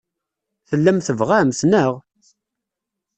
Tellam tebɣam-t, naɣ?